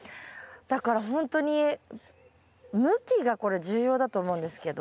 だからほんとに向きがこれ重要だと思うんですけど。